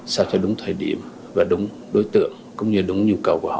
sao cho đúng thời điểm và đúng đối tượng cũng như đúng nhu cầu của họ